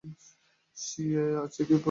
CA আসছে কী, porous!